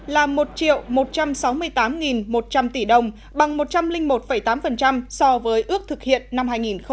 là một một trăm sáu mươi tám một trăm linh tỷ đồng bằng một trăm linh một tám so với ước thực hiện năm hai nghìn một mươi tám